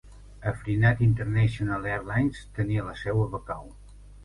Afrinat International Airlines tenia la seu a Bakau.